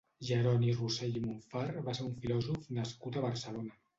Jeroni Rossell i Montfar va ser un filòsof nascut a Barcelona.